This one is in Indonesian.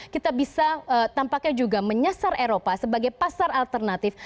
kita bisa tampaknya juga menyasar eropa sebagai pasar alternatif